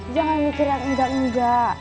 jangan mikir yang engga enga